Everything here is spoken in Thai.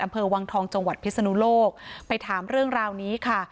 อำเภอวังทองจังหวัดพิศนุโลกไปถามเรื่องราวนี้ค่ะ